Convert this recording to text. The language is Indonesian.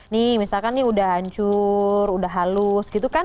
nih misalkan nih udah hancur udah halus gitu kan